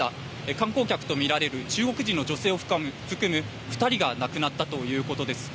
観光客とみられる中国人の女性を含む２人が亡くなったということです。